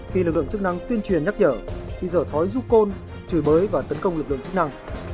khi lực lượng chức năng tuyên truyền nhắc nhở thì dở thói giúp côn chửi bới và tấn công lực lượng chức năng